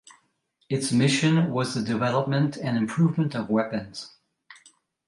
Its mission was the development and improvement of weapons.